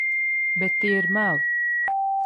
Bet tie ir meli.